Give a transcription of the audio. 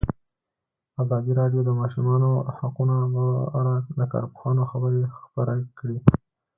ازادي راډیو د د ماشومانو حقونه په اړه د کارپوهانو خبرې خپرې کړي.